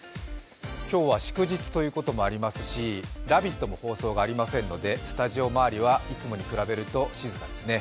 今日は祝日ということもありますし、「ラヴィット！」も放送がありませんのでスタジオ周りは、いつもに比べると静かですね。